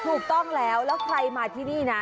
ถูกต้องแล้วแล้วใครมาที่นี่นะ